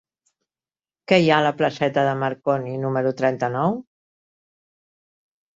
Què hi ha a la placeta de Marconi número trenta-nou?